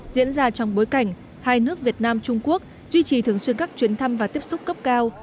diễn ra trong bối cảnh hai nước việt nam trung quốc duy trì thường xuyên các chuyến thăm và tiếp xúc cấp cao